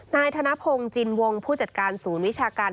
ธนพงศ์จินวงผู้จัดการศูนย์วิชาการ